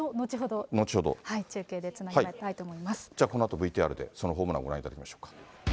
後ほど、じゃあ、このあとＶＴＲで、そのホームランをご覧いただきましょうか。